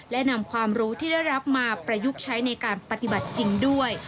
และนำความรู้ที่ได้รับมาประยุกต์ใช้ในการปฏิบัติจริงด้วย